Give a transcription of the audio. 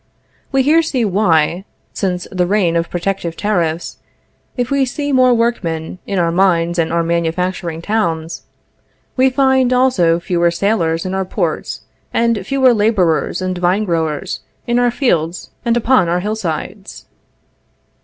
We here see why, since the reign of protective tariffs, if we see more workmen in our mines and our manufacturing towns, we find also fewer sailors in our ports, and fewer laborers and vine growers in our fields and upon our hillsides.